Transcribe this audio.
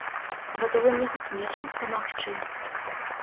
Гатовы мне хоць нечым памагчы.